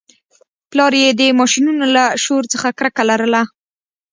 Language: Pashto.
پلار یې د ماشینونو له شور څخه کرکه لرله